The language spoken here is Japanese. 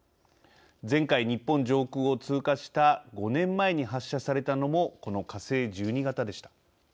前回、日本上空を通過した５年前に発射されたのもこの火星１２型でした。